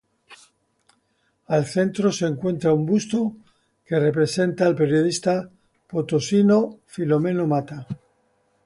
Al centro se encuentra un busto que representa al periodista potosino Filomeno Mata.